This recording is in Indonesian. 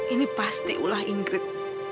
ini pasti ulah ingrid